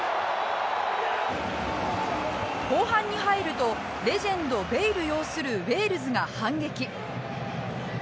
後半に入るとレジェンド、ベイル擁するウェールズが反撃。